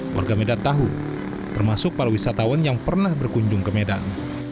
warga medan tahu termasuk para wisatawan yang pernah berkunjung ke medan